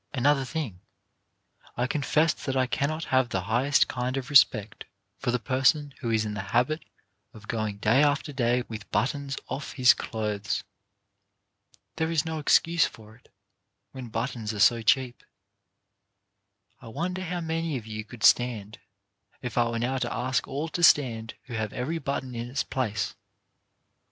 Another thing; I confess that I cannot have the highest kind of respect for the person who is in the habit of going day after day with buttons off his clothes. There is no excuse for it, when buttons are so cheap. I wonder how many of you could stand, if I were now to ask all to stand who have every button in its place.